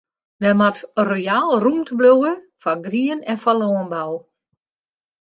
Der moat royaal rûmte bliuwe foar grien en foar lânbou.